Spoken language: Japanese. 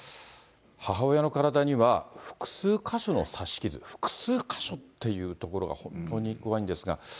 母親の体には複数箇所の刺し傷、複数箇所っていうところが、本当に怖いんですが。